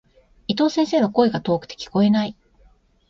伊藤先生の、声が遠くて聞こえない。